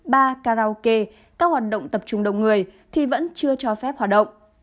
ba karaoke các hoạt động tập trung đông người thì vẫn chưa cho phép hoạt động